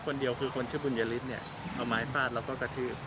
คนเดียวคือคนชื่อบุญยฤทธิ์เนี่ยเอาไม้ฟาดแล้วก็กระทืบ